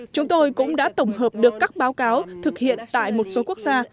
chúng tôi cũng đã tổng hợp được các báo cáo thực hiện tại một số quốc gia